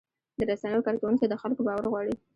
د رسنیو کارکوونکي د خلکو باور غواړي.